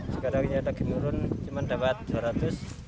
sekarang ini lagi menurun cuma dapat dua ratus